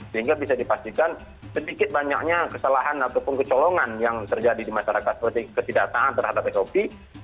sehingga bisa didritesidkan sikit banyak pelanggan kesalahan ataupun kecolongan yang terjadi di masyarakat seperti ketidaktahan terhadap covid sembilan belas